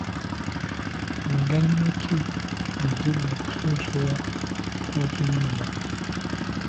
Miganyulo ki egiri mu kusunsulwa kw'okuyimba?